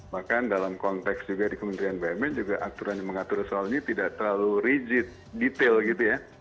bahkan dalam konteks juga di kementerian bumn juga aturan yang mengatur soal ini tidak terlalu rigid detail gitu ya